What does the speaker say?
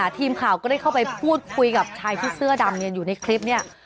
ทีมข่าวก็ได้เข้าไปพูดคุยกับชายที่เสื้อดำอยู่ในคลิปเนี่ย